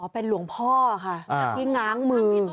อ๋อเป็นหลวงพ่อค่ะที่ง้างมือ